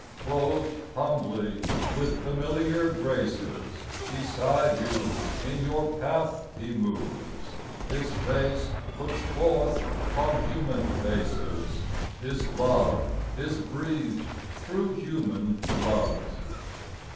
Clothed humbly with familiar graces, Beside you in your path He moves : His Face looks forth from human faces ; His love is breathed through human loves.